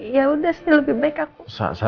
yaudah sih lebih baik aku